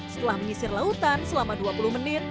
setelah menyisir lautan selama dua puluh menit